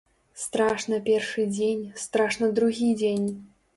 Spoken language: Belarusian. Страшна першы дзень, страшна другі дзень.